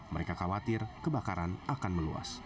mereka khawatir kebakaran akan meluas